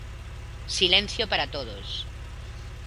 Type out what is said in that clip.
Silencio para todos.